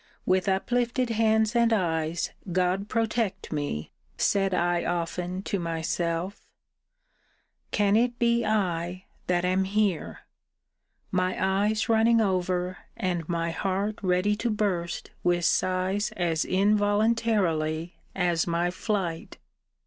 With uplifted hands and eyes, God protect me! said I often to myself: Can it be I, that am here! My eyes running over, and my heart ready to burst with sighs as involuntarily as my flight.